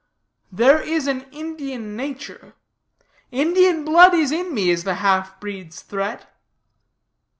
There is an Indian nature. "Indian blood is in me," is the half breed's threat.